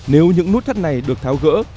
nếu những nút thắt này được tháo gỡ